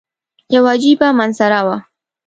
یوه عجیبه منظره وه.